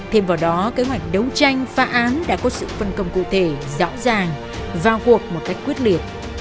thêm vào đó kế hoạch đấu tranh phá án đã có sự phân công cụ thể rõ ràng vào cuộc một cách quyết liệt